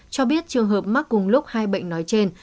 cho biết trường hợp mắc cùng lúc hai bệnh nói trên